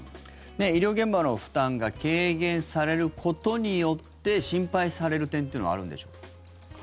医療現場の負担が軽減されることによって心配される点っていうのはあるんでしょうか？